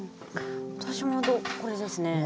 私もこれですね。